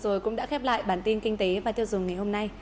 rồi cũng đã khép lại bản tin kinh tế và tiêu dùng ngày hôm nay